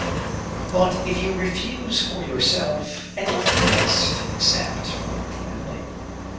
"But if you refuse for yourself, at least accept for your family."